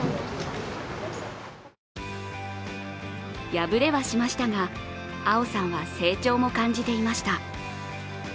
敗れはしましたが、蒼生さんは成長も感じていました。